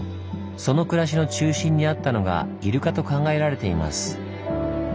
その暮らしの中心にあったのがイルカと考えられています。